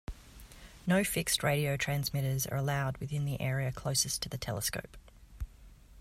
No fixed radio transmitters are allowed within the area closest to the telescope.